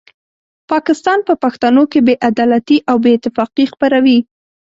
پاکستان په پښتنو کې بې عدالتي او بې اتفاقي خپروي.